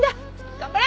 頑張れ！